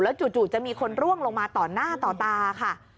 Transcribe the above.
จู่จะมีคนร่วงลงมาต่อหน้าต่อตาค่ะ